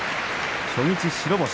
初日白星。